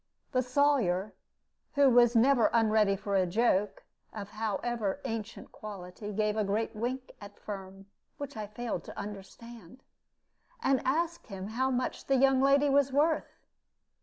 The Sawyer, who never was unready for a joke, of however ancient quality, gave a great wink at Firm (which I failed to understand), and asked him how much the young lady was worth.